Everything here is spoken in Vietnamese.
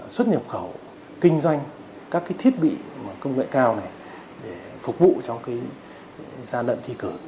xuất nhập khẩu kinh doanh các thiết bị công nghệ cao để phục vụ cho gia đận thi cử